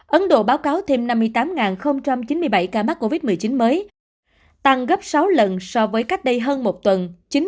ấn độ báo cáo thêm năm mươi tám chín mươi bảy ca mắc covid một mươi chín mới tăng gấp sáu lần so với cách đây hơn một tuần